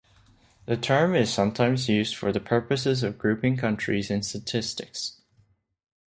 The term is sometimes used for the purposes of grouping countries in statistics.